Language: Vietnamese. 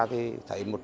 thì thấy một